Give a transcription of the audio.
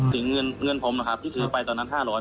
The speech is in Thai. ถึงเงินเงินผมนะครับที่ถือไปตอนนั้นห้าร้อย